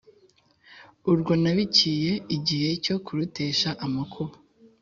urwo nabikiye igihe cyo kuruteresha amakuba,